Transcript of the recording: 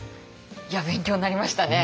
いや勉強になりましたね。